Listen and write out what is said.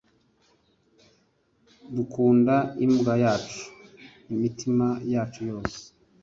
dukunda imbwa yacu imitima yacu yose